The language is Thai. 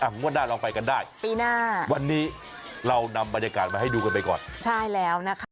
งวดหน้าลองไปกันได้ปีหน้าวันนี้เรานำบรรยากาศมาให้ดูกันไปก่อนใช่แล้วนะคะ